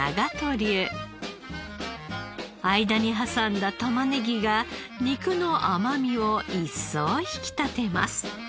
間に挟んだたまねぎが肉の甘みを一層引き立てます。